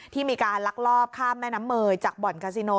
ที่มีการลักลอบข้ามแม่น้ำเมย์จากบ่อนกาซิโน